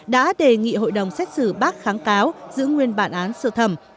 đã đề nghị hội đồng xét xử bác kháng cáo giữ nguyên bản án sơ thẩm